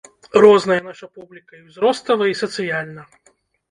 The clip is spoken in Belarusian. Розная наша публіка, і ўзростава і сацыяльна.